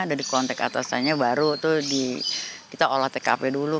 dia dikontek atasannya baru itu kita olah tkp dulu